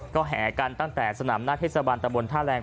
ก็แห่กันตั้งแต่สนามนาธิสบันตบลท่าแหลง